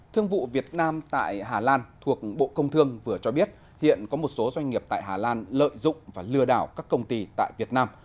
thương vụ việt nam tại hà lan thuộc bộ công thương vừa cho biết hiện có một số doanh nghiệp tại hà lan lợi dụng và lừa đảo các công ty tại việt nam